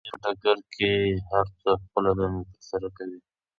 د جګړې په ډګر کې هرڅوک خپله دنده ترسره کوي.